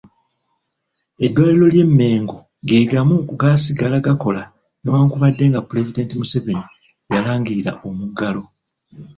Eddwaliro ly'e Mengo ge gamu ku gaasigala gakola newankubadde nga Pulezidenti Museveni yalangirira omuggalo.